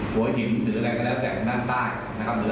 หัวหินหรืออะไรก็แล้วแบบด้านด้านใต้